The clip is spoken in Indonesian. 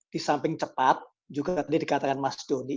di samping cepat juga tadi dikatakan mas doni